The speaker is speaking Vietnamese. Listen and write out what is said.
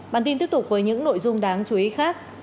bản tin tiếp tục với những nội dung đáng chú ý khác